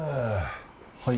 はい。